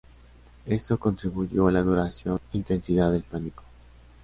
Esto contribuyó a la duración e intensidad del pánico.